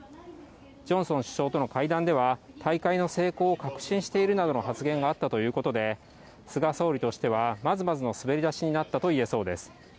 ジョンソン首相との会談では、大会の成功を確信しているなどの発言があったということで、菅総理としてはまずまずの滑り出しになったといえそうです。